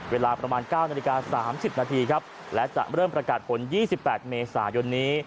เวลาประมาณ๙นาฬิกา๓๐นาทีครับและจะเริ่มประกาศผล๒๘เมษายนนี้